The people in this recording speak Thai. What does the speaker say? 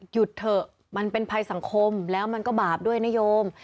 หยุดเถอะมันเป็นภัยสังคมแล้วมันก็บาปด้วยนโยม